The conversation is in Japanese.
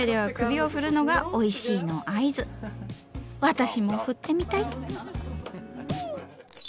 私も振ってみたい！